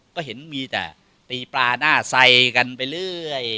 ก็เห็นมีแต่ตีปลาหน้าใส่กันไปเรื่อย